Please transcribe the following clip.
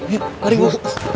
yuk mari bu